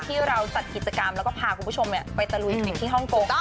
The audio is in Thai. ที่เราจัดกิจกรรมแล้วก็พาคุณผู้ชมไปตะลุยถึงที่ฮ่องกง